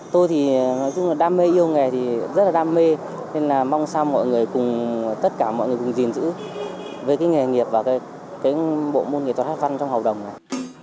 tôi thì nói chung là đam mê yêu nghề thì rất là đam mê nên là mong sao mọi người cùng tất cả mọi người cùng gìn giữ với cái nghề nghiệp và cái nguồn hát văn này